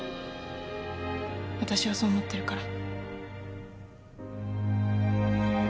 私はそう思ってるから。